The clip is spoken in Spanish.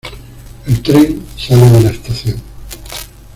El tren sale de la estación.